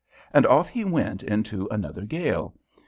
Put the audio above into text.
And off he went into another gale.